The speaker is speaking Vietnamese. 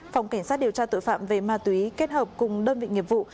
phòng cảnh sát điều tra tội phạm về ma túy kết hợp cùng đơn vị nghiệp vụ